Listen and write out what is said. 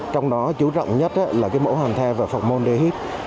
trong đó chú rộng nhất là mẫu hàn the và phóc môn để hiếp